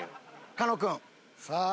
狩野君さあ。